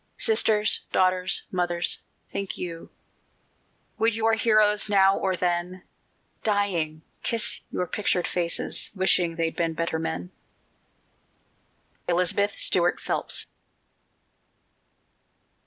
Sisters, daughters, mothers, think you, Would your heroes now or then, Dying, kiss your pictured faces, Wishing they'd been better men? ELIZABETH STUART PHELPS.